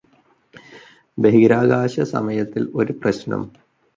ബഹിരാകാശസമയത്തിൽ ഒരു പ്രശ്നം